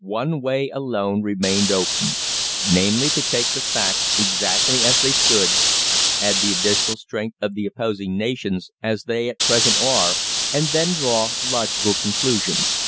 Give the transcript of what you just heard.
One way alone remained open namely, to take the facts exactly as they stood, add the additional strength of the opposing nations as they at present are, and then draw logical conclusions.